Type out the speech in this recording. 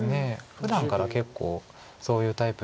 ふだんから結構そういうタイプで。